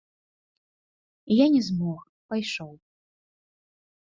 І я не змог, пайшоў.